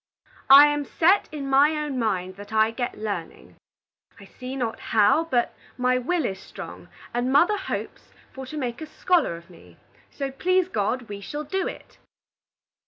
"I am set in my own mind that I get learning. I see not how, but my will is strong, and mother hopes for to make a scholar of me. So, please God, we shall do it."